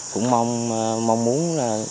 cũng mong muốn